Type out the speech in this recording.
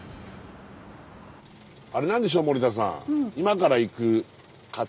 あれなんでしょう森田さん。